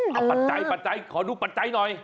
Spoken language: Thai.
เอาปัจจัยปัจจัยขอดูปัจจัยหน่อย